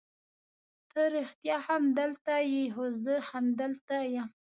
ته رښتیا هم دلته یې؟ هو زه همدلته یم.